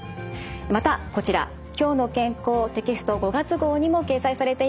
またこちら「きょうの健康」テキスト５月号にも掲載されています。